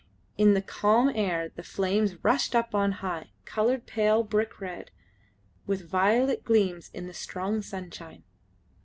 In the calm air the flames rushed up on high, coloured pale brick red, with violet gleams in the strong sunshine.